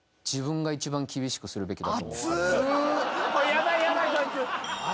ヤバいヤバいこいつ。